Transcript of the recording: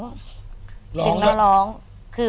สวัสดีครับ